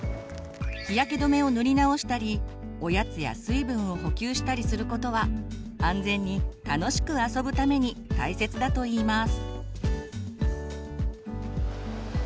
日焼け止めを塗り直したりおやつや水分を補給したりすることは安全に楽しく遊ぶために大切だといいます。